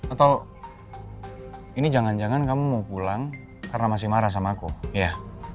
atau ini jangan jangan kamu mau pulang karena masih marah sama aku ya